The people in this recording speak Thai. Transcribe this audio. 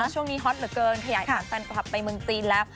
ช่วงนี้ฮอตเหลือเกินขยายแฟนคลับไปเมืองจีนแล้ว